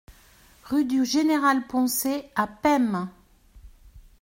Rue du Général Poncet à Pesmes